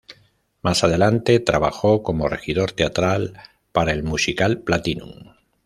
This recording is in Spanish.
Más adelante trabajo como regidor teatral para el musical "Platinum".